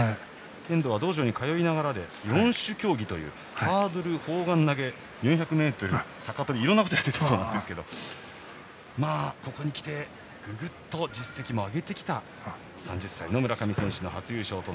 剣道は道場に通いながらで四種競技というハードル、砲丸投げ、４００ｍ高跳びといろんなことをやっていたそうでここに来てぐぐっと実績も上げてきた３０歳の村上選手の初優勝です。